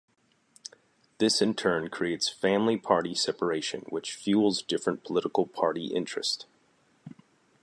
This in turn creates family-party separation which fuels different political party interest.